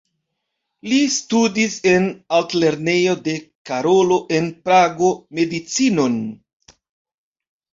Li studis en Altlernejo de Karolo en Prago medicinon.